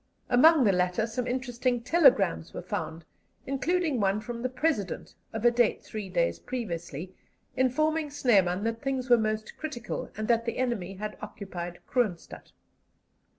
Among the latter some interesting telegrams were found, including one from the President, of a date three days previously, informing Snyman that things were most critical, and that the enemy had occupied Kroonstadt.